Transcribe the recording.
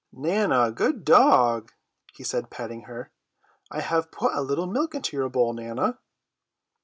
"Nana, good dog," he said, patting her, "I have put a little milk into your bowl, Nana."